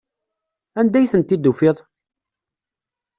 Anda ay tent-id-tufiḍ?